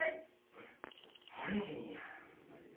あれへんやん。